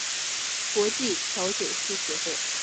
国际调酒师协会